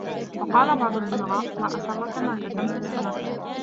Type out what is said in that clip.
وَقَالَ بَعْضُ الْبُلَغَاءِ مَا أَسَرَّك مَا كَتَمْت سِرَّك